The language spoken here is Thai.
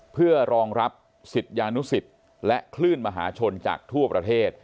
เพื่อรองรับศิษยานุสิตและคลื่นมหาชนจากทั่วประเทศ